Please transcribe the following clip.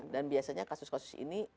dan biasanya kasus kasus ini